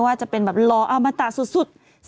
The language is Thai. ว่าจะเป็นแบบหล่ออมตะสุด